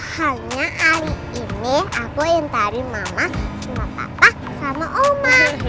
hanya hari ini aku yang tarik mama sama papa sama oma